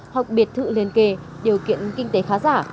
hoặc biệt thự liền kề điều kiện kinh tế khá giả